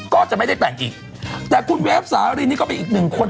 ก็จะไม่ได้แต่งอีกแต่คุณเวฟสารินนี่ก็เป็นอีกหนึ่งคน